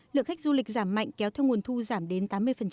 lượng khách du lịch giảm mạnh kéo theo nguồn thu giảm đến tám mươi